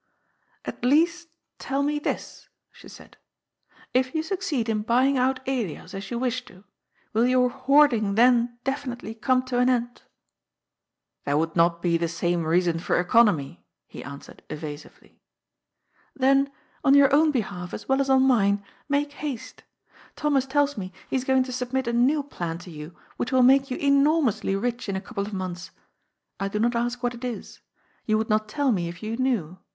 ^' At least tell me this," she said. "If you succeed in buying out Elias, as you wish to, will your hoarding then definitely come to an end ?"" There would not be the same reason for economy," he answered evasively. " Then, on your own behalf, as well as on mine, make haste. Thomas tells me he is going to submit a new plan to you which will make you enormously rich in a couple of months. I do not ask what it is. You would not tell me if you knew.